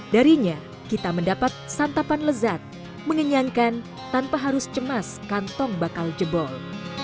darinya kita mendapat santapan lezat mengenyangkan tanpa harus cemas kantong bakal jebol